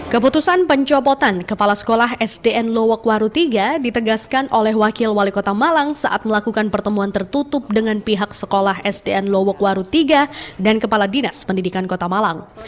keputusan pencopotan kepala sekolah sdn lowokwaru iii ditegaskan oleh wakil wali kota malang saat melakukan pertemuan tertutup dengan pihak sekolah sdn lowokwaru iii dan kepala dinas pendidikan kota malang